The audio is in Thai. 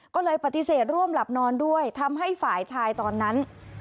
ก็เลยปฏิเสธร่วมหลับนอนด้วยทำให้ฝ่ายชายตอนนั้น